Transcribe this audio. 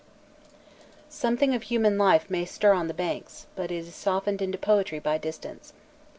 Something of human life may stir on the banks, but it is softened into poetry by distance.